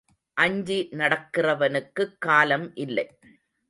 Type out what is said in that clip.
அஞ்சி நடக்கிறவனுக்குக் காலம் இல்லை.